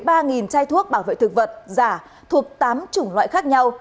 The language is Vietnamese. hơn ba chai thuốc bảo vệ thực vật giả thuộc tám chủng loại khác nhau